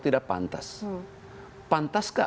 tidak pantas pantas